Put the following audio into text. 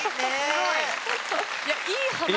いやいい話。